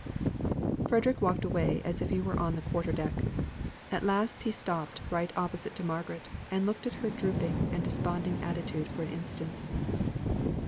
Frederick walked away as if he were on the quarter deck. At last he stopped right opposite to Margaret, and looked at her drooping and desponding attitude for an instant.